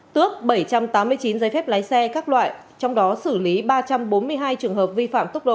tước bảy trăm tám mươi chín giấy phép lái xe các loại trong đó xử lý ba trăm bốn mươi hai trường hợp vi phạm tốc độ